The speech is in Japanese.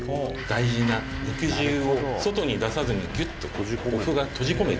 「大事な肉汁を外に出さずにギュッとお麩が閉じ込めていってくれている」